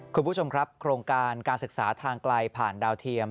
คุณผู้ชมครับโครงการการศึกษาทางไกลผ่านดาวเทียม